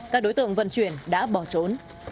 các đối tượng vận chuyển đã bỏ trốn